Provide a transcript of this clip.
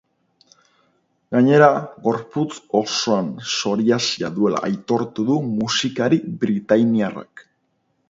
Gainera, gorputz osoan psoriasia duela aitortu du musikari britainiarrak.